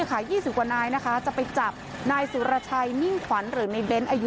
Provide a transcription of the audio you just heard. อายุ๒๐กว่านายจะไปจับนายสุรชัยนิ่งขวัญหรือในเบนส์อายุ๒๕